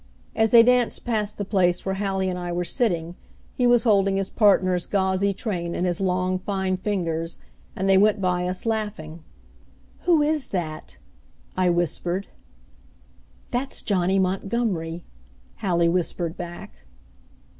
As they danced past the place where Hallie and I were sitting he was holding his partner's gauzy train in his long, fine fingers, and they went by us laughing. "Who is that?" I whispered. "That's Johnny Montgomery," Hallie whispered back.